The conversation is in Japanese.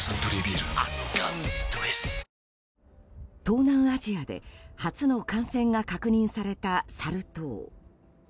東南アジアで初の感染が確認されたサル痘。